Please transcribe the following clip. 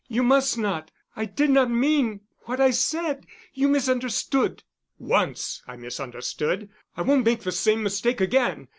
You must not. I did not mean—what I said, you misunderstood——" "Once I misunderstood. I won't make the same mistake again.